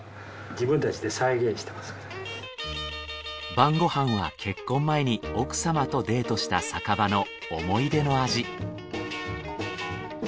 晩ご飯は結婚前に奥様とデートした酒場の思い出の味。